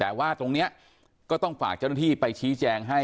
แต่ว่าตรงนี้ก็ต้องฝากเจ้าหน้าที่ไปชี้แจงให้